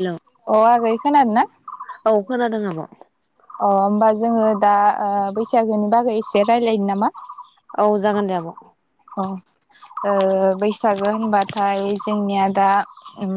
Hello अ आगै खोनादों ना। औ खोनादों आब' अ होमबा जोङो दा ओ बैसागोनि बागै एसे रायलायनो नामा। औ जागोन दे आब'। अ ओ बैसागो होनबाथाय जोंनिया दा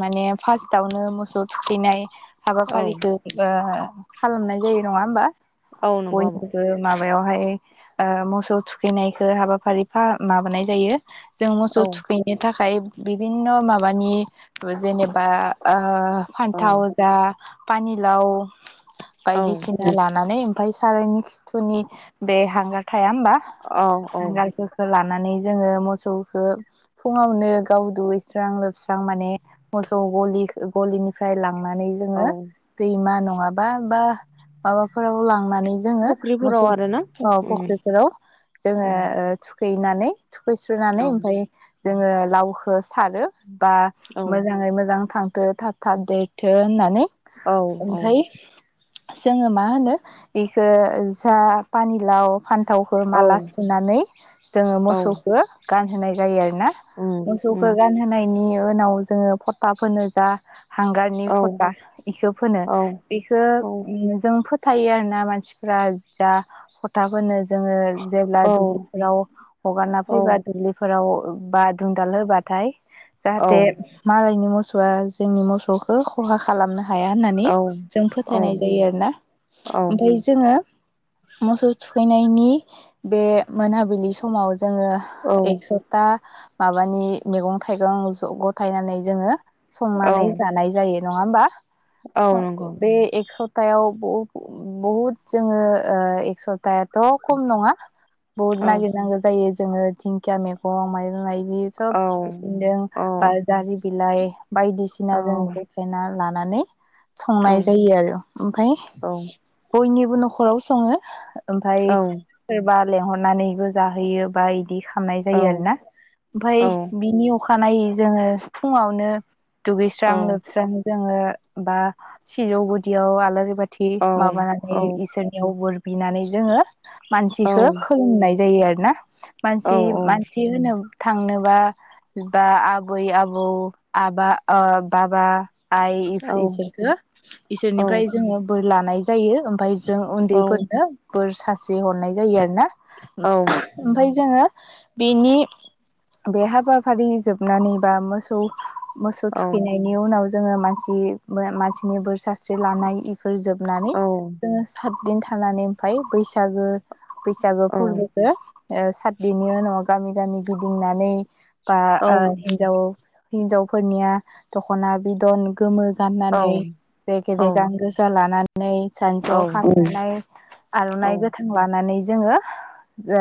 माने फार्स्टआवनो मोसौ थुखैनाय औ हाबाफारिखो ओ खालामनाय जायो नङा होमबा? औ नंगौ आब' बयनो माब बेवहाय ओ मोसौ थुखैनायखौ हाबाफारि फा माबानाय जायो। जों मोसौ औ थुखैनो थाखाय बिभिन्न' माबानि जेनेबा ओ ओ औ फान्थाव जा पानि लाउ। औ बायदिसिना लानानानै ओमफ्राय सारायनि खिथुनि बे हांगार थाया होमबा औ औ हांगारखो। लानानै जोङो मोसौखो फुङावनो गाव दुगैस्रां लोबस्रां माने मोसौ गलि गलिनिफ्राय लां लांनानै औ जोङो दैमा नं नंङाबा बा माबाफोराव लां नैजोङो फुख्रिफोराव मोसौ आरो ना ओ उम उम फुख्रिफोराव जोङो ओ थुखैनानै थुखैस्रोनानै औ ओमफाय जोङो लावखो सारो बा मोजाङै मोजां थां थो थाब थाब देर थो होननानै औ ओमफ्राय जोङो मा होनो बेखौ जा पानिलाव फान्थावखौ औ माला सुनानै जोङो औ मोसौखो गानहोनाय जायो आरोना उम मोसौखो उम गानहोनाय बिनि उनाव जोङो फथा फोनो जा हांगारनि औ फटा इखो फोनो औ बेखो उम जों फोथायो आरोना मानसिफोरा जा फथा फोनो। जोङो जेब्ला औ दुब्लि आव हगारना औ फैबा दुब्लिफो आव बा दुंदाल होबाथाय औ जाहाथे मालायनि मोसौ आ जोंनि मोसौखौ खहा खालामनो हा हाया होननानै जों फोथायनाय जोयो आरोना ओमफाय जोङो मोसौ थुखैनाय नि बे मोनाबिलि समाव जोङो औ एकसता माबानि मैगं-थाइगं ज गथायनानै जोङो औ संनानै जानाय जायो। नङा होमबा औ नंगौ बे एकस सप्तायाव बहुद जोङो एक सप्ता ' खम नङा बुहुत औ नागिरनांगौ जायो। जोङो दिखिया मैगं माइरं बि औ सब खिफिबेनदों औ बा जारि बिलाइ बाटयदिसिना औ जोङो गथ्रेना लानो। नानै। औ संनाय जायो आरो ओमफफ्राय बयनिबो न'खराव सङो। ओमफ्राय सोरबा लेंहरनानैबो जाहोयो बा बिदि खालामनाय जायो आरोना ओमफ्राय औ बिनि अखानायै जोङो फुङावनो दुगैस्रां औ लोबस्रां जोङो बा सिजौ गुदियाव आलारि बाथि औ थि माबानानै इसोरनियाव बुर बिनानै जोङो मानसिखौ नाय जायो आरो ना मानसि मानसि होनो थांनोबा बा आबै आबौ आबा ओ बाबा आइ इसोरखौ इसोरनिफ्राय जोङो बोर लानाय जायो ओमफाय जों उन्दैफोरनो बोर सासे हरनाय जायो आरो ना ओमफाय जोङो बेनि बे हाबाफारि जोबनानै बा मोसौ मोसौ थुखैनायनि उनाव जोङो मानसि थि मानसिनि बोर सास्रि लानाय फोर जोबनानै जोङो बिदिनो थानानै ओमफाय बैसागो फैसागो फोरबोखौ ओ बेनि उनाव गामि गामि गिदिंनानै बा ओ हिन्जाव हिनजावफोरनिया दख'ना बिदन गोमो गाननानै औ रेगे औ रेगां गोजा लानानै जानजिआव खांनाय आर'नाइ औ गोथां लानानै जोङो । ओ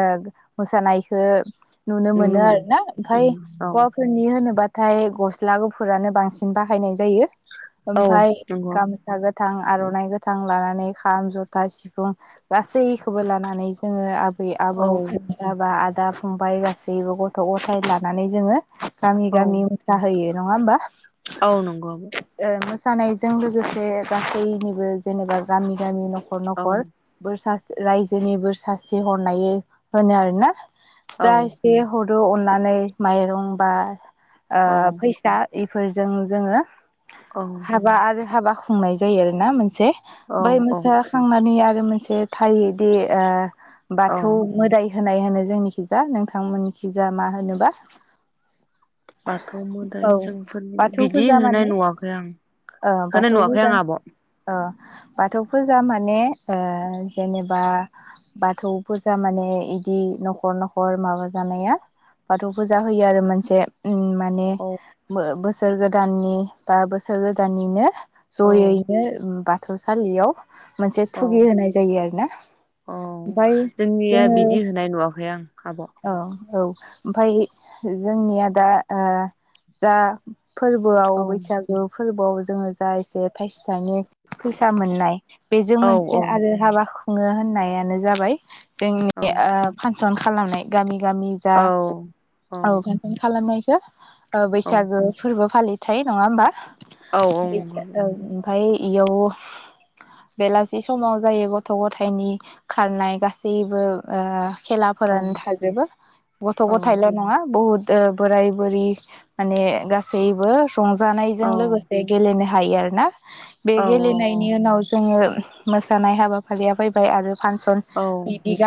मोसानायखो । नुनो मोनो आरो ना ओमफाय उम औ हौवाफोरनि होनोब्ला नाथाय गस्ला गुफुरानो बांसिन बाहायनाय जायो । औ ओमफाय नंगौ गामसा गोथां । आर'नाइ गोथां लानानै खाम जथा सिफुं गासैखौबो लानानै जोङो आ आबै आब' औ बाबा आर बिदा-फंबाय गासैबो गथ' गथाय लानानै जोङो गामि औ गामि मोसाहोयो । नङा होमबा? औ नंगौ । जानायजों लोगोसे गासैनिबो जेनेबा गामि गामि न'खर । नखर नखर आब' बोर रास रायजोनिबो सासे हर नायो होनो आरोना । औ जा इसे हर औ अननानै माइरं बा औ ओ फैसा इ फोरजों जोङो । औ हाबा आरो हाबा खुंनाय जायो आरो ना नों से औ बै औ मोसा खांनानै आरो आरो मोनसे थायोदि ओ । औ बाथौ मोदाय हो होनाय होनो जोंनिखिजा नोंथांमोननिखिजा मा होनोबा? बाथौ औ मोदाइ जोंफोरनि बाथौ बिदि फुजा होनाय मानि नुवाखै आं ओ होनाय बाथौ फुजा नुवाखै आं आब' । ओ बाथौ फुजा माने ओ जेनेबा बाथौ । फुजा माने इदि न'खर न'खर माबा जानाया बाथौ फुजा होयो आरो मोनसे उम माने औ मो बोसोर बोसोर गोदाननि बा बोसोर गोदाननिनो । औ ज'यैनो ओम बा थौ सालियाव मोनसे औ थुगि होनाय जायो आरो ना ओमफाय गैया जोङो बिदि होनाय नुवाखै आं आब' औ औ ओमफ्राय जोंनिया दा ओ दा फोरबोआव औ बैसागु फोरबोआव जोङो जा एसे थाइसे थाइनै फैसा मोननाय बेजों औ औ मोनसे आरो हाबा खुङो होन नायानो जाबाय जोंनि औ ओ फां सन खालामनाय गामि गामि जा औ औ फांसन खालामनाय जा ओ औ बैसागो फोरबो फालि थाय नङा होमबा? औ औ [unintelligible] नंगौ ओमफ्राय इयाव बेलासि समाव जायो गथ' गथायनि खारनाय गा सैबो ओ औ खेलाफोरानो थाजोबो गथ' औ गथायल' नङा बहुत ओ बोराय बुरि माने गासैबो औ रंजानायजों लोगोसे गेलेनो हायो आरोना बे औ गेलेनायनि उनाव जोङो मोसानाय हाबाफारिया फैबाय आरो फा सन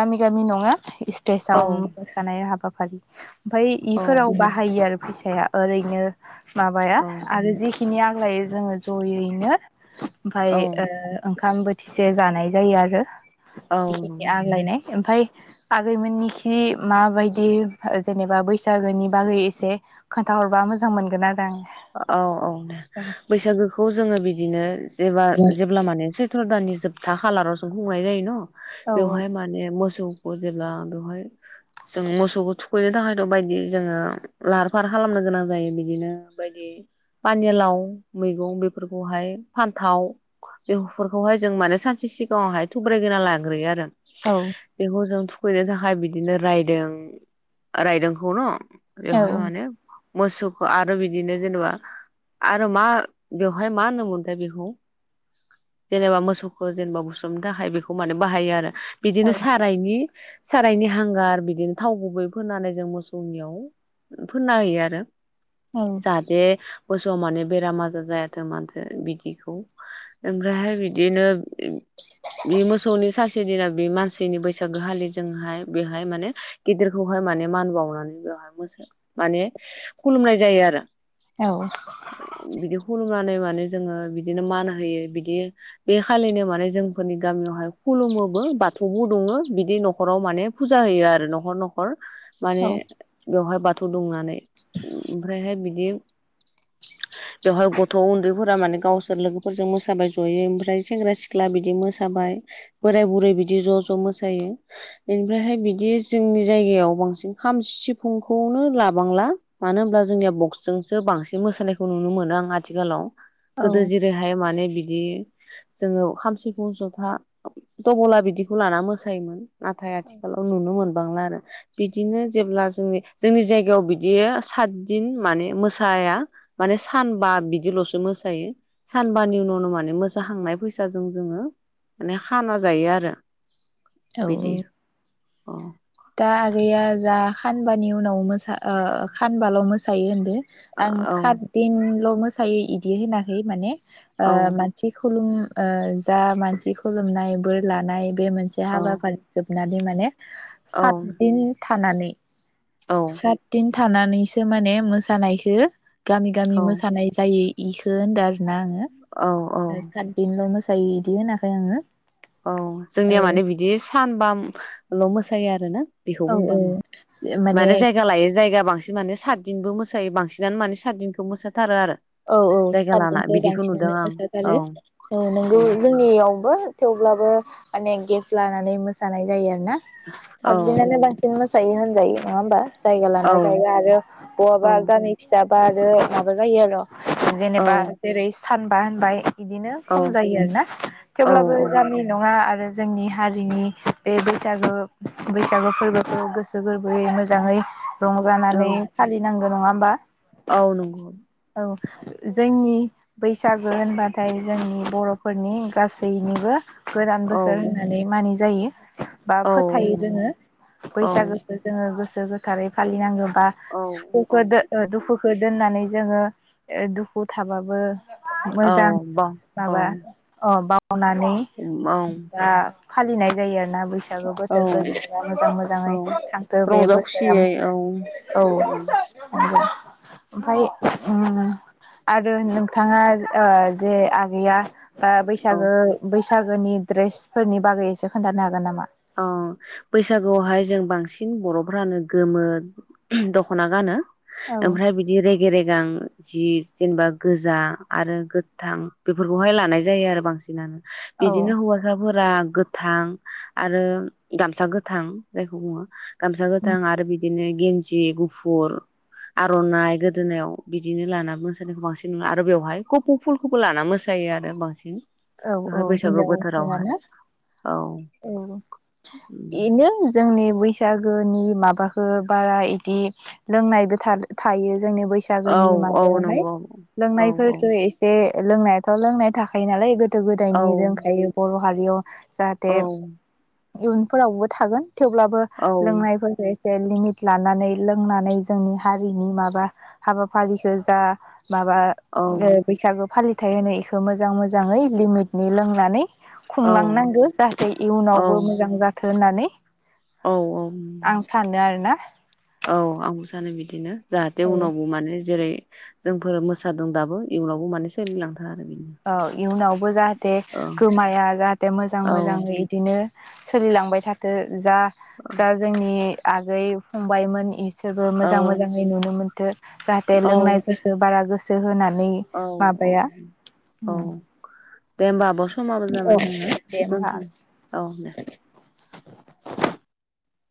गामि गामि नङा स्टेजाव औ मोसानाय हाबा फालि ओमफ्राय औ इफोराव बाहायो आरो फैसाया ओरैनो माबाया आरो जिखिनि आग्लायो जोङो ज'यैनो ओमफ्राय ओ ओंखाम बो इसे जानाय जायो आरो औ नंगौ ओमफ्राय आागैमोननिखै माबायदि जेनेबा बैसागोनि बागै एसे खोन्थाहरबा मोजां मोनगोन आरो आं औ औ दे बैसागोखौ जोङो बिदिनो जेबा जेब्ला माने सो सैत्र दाननि जोबथा खालारावसो खुंनाय जायो न औ बेवहाय माने मसौ जेब्ला बेवहाय जों मोसौखौ थुखैनो थाखायथ बायदि जोङो लाहार फाहार खालामनो गोनां जायो बिदिनो बेबायदि पानिलाव मैगं बेफोरखौहाय फान्थाव बेफोरखौहाय जों माने सानसे सिगाङावहाय थुब्रायगोना लाग्रोयो आरो औ बेखौ जों फैनो थाखाय बिदिनो रायदों रायदोंखौ ना बेहाय माने मोसौखौ आरो बि बिदिनो जेनेबा आरो मा बेवहाय मा होनो मोनथाय बेखौ जेनेबा मोसौखौ जेनेबा बुसोमनो थाखाय बेखौ माने बाहायो आरो औ बिदिनो सारायनि सारायनि हांगार बिदिनो थाव गुबै फोननानै जों मोसौनियाव फोनना होयो आरो जहाथे मोसौआ माने बेराम आजार जायाथों माथो बिदिखौ ओमफ्रायहाय बिदिनो बे मोसौनि सानसे दिना बे मानसिनि बैसागो खालि जोंहाय बेहाय माने गिदिरखौहाय माने मान बावनानै बेवहाय मोसा माने खुलुमनाय जायो आरो औ खुनानै माने जोङो बिदिनो मान होयो बिदि बे खालिनो माने जोंफोरनि गामियावहाय खुलुमोबो बाथौबो दङ बिदि नखराव माने फुजा होयो आरो नखर नखर माने बेहाय बाथ बाथौ दुंनानै बिदि बेवहाय गथ उन्दै फोरा गावसोर लोगोफोरजों मोसाबाय जयै आमफ्राय सेंग्रा सिख्ला बिदि मोसाबाय बोराय बुरै बिदि ज ज मोसायो बिनिफ्रायहाय बिदि जोंनि जायगायाव बांसिन खाम सिफुंखौनो लाबांला मानो होनब्ला जोंनिया बक्सजोंसो बांसिन मोसानायखौ नुनो मोनो आं आथिखालाव औ गोदो जेरैहाय माने बिदि जोङो खाम सिफुं जथा तबला बिदिखौ लाना मोसायोमोन नाथाय आथिखालाव नुनो मोन बांला आरो बिदिनो जेब्ला जों जोंनि जायगायाव बिदियो सा दिन माने मोसाया माने सानबा बिदिलसो मोसायो सानबानि उनावनो माने मोसाहांनाय फैसाजों जोङो माने खाना जायो आरो। औ बिदि औ। औ। दा आगैया जा खानबानि उनाव मोसा ओ खानबाल' मोसायो होनदों आं औ खाद दिनल' मोसायो इदि होनाखै माने ओ औ मानथि- खुलुम ओ जा मानसि खुलुमनाय बोर लानाय बे मोनसे औ हाबाफारि नादे माने औ सात दिन था थानानै। सात दिन। थानानैसो माने मोसानायखौ। गामि गामि औ मोसानाय जायै। इखो होनदार। ना आङो औ औ खातदिनल' मो सायो इदि होनाखै आङो। औ औ जोंनिया माने बिदि सानबा। ल' मोसायो आरो ना। बेखौ औ बुंदों औ आङो माने मानो जायगा लायै जायगा। बांसिन माने सातदिनबो मोसायो बांसिनानो माने सातदिनखौ मोसाथारो आरो। औ औ जायगा लाना सातदिनखौनो बिदिखौ नुदों आं औ बांसिनानो [unintelligible] औ नोंगौ जोंनियावबो। थेवब्लाबो अनेक गेफ्ट लानानै मोसानाय जायो आरो। ना औ साददिनानो बांसिन मोस जायो होनजायो। नङा होमबा? जायगा औ लाना जायगा आरो औ बहाबा गामि फिसा बा आरो माबा जायो आरो औ जेनेबा तिरैस फानबा होनबाय बिदिनो औ खम जायो आरो ना औ थेवब्लाबो गामि नङा आ रो जोंनि हारिनि बे बैसागो बैसागो फोरबोखौ गोसो गोरबोयै मोजाङै औ रंजानानै फालिनांगो नङा होमबा? औ नंगौ औ जोंनि बैसागो होनबाथाय जोंनि बर'फोरनि गासैनिबो गोदान औ बोसोर होननानै मानि जायो। बा औ फोथायो नंगौ जोंङो औ बैसागोखो जोंङो गोस सो गोथारै फालिनांगौ। बा औ औ सुखुखो दो ओ दुखुखौ दोननानै जोंङो। ओ दुखु थाबाबो औ मोजां बा औ माबा अ बाव मावनानै औ दा फालिनाय जायो आर ना बैसागो औ बोथोरखो मोजां औ मोजाङै थांथों बे रंजा बोसोराव खुसियै औ औ नंगौ। ओमफाय उम आरो नोंथाङा ओ जे आगैया बा औ बैसागो बैसा सागोनि ड्रेसफोरनि बागै एसे खोनथानो हागोन नामा? अ बैसागुआवहाय जों बांसिन बर'फ्रानो गोमो दख'ना गानो। औ ओमफ्राय बिदि रेगे रेगां जि जेनेबा गोजा आरो गोथां बेफोरखौहाय लानाय जायो आरो बांसिनानो। औ बिदिनो हौवासाफोरा गोथां आरो गामसा गोथां जायखौ बुङो। गामसा गोथांं आरो बिद दिनो गेन्जि गुफुर आर'नाइ गोदोनायाव बिदिनो लाना मोसानायखौ बांसिन नुयो आरो बेवहाय कपौ फुलखौबो लाना मोसायो आरो बांसिन। औ औ बेवहाय बैसागु बोथोरावहाय हिनजावफोरानो औ औ इनो। जोंनि बैसागोनि माबाखो बारा इदि लोंनायबो थाग थायो। जोंनि औ बैसागोनि औ माबायावहाय नंगौ औ औ लोंनायफोरखौ एसे लोंनायाथ' लोंनाय थाखायो नालाय गोद दो औ गोदायनि लोंखायो बर' हारियाव जाहाथे औ। इयुनफोरावबो थागोन। थेवब्लाबो लोंनायफोरखो एस से लिमिट लानानै लोंनानै जोंनि हारिनि माबा हाबाफारिखो जा माबा औ ओ बैसागो फालि हाथाय होनो इखो मोजां मोजाङै लिमिटनि लोंनानै औ खुंलांनांगो। जाहाथे औ इयुनावबो मोजां जाथों। होनानै औ औ नंगौ औ आंबो सानो बिदिनो। जाहाथे उनावबो माने जेरै जोंफोर मोसादों दाबो इयुनावबो माने सोलिलां औ इयुनावबो जाहाथे औ गोमाया जाहाथे मोजां औ मोजाङै इदिनो सोलिलांबाय थाथो। जा जा जोंनि आगै फंबायमोन बिसोरबो मोजां मोजाङै नुनो मोन थो जाहाथे औ लोंनायफोरखो बारा गोसो सो होनान नै औ माबाया औ उम। दे होमबा आब' समाबो जाबाय जोंना दे होमबा दोनथ'नि औ दे। [inaudible]